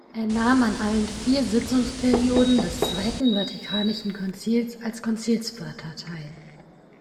Er nahm an allen vier Sitzungsperioden des Zweiten Vatikanischen Konzils als Konzilsvater teil.